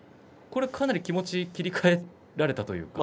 これは、かなり気持ちが切り替えられたというか。